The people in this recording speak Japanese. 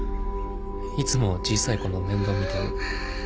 いつも小さい子の面倒見たり。